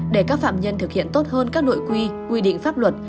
để các phạm nhân thực hiện tốt hơn các nội quy quy định pháp luật